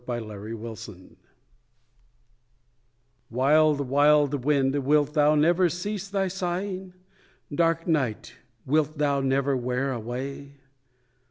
THE DEAD CHURCH Wild wild wind, wilt thou never cease thy sighing? Dark dark night, wilt thou never wear away?